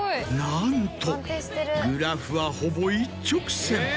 なんとグラフはほぼ一直線。